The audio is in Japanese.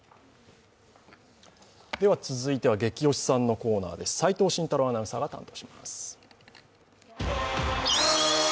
続いては「ゲキ推しさん」のコーナーです、齋藤慎太郎さんが担当します。